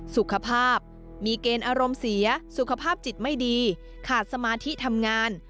สุขภาพมีเกณฑ์อารมณ์เสียสุขภาพจิตไม่ดีขาดสมาธิทำงาน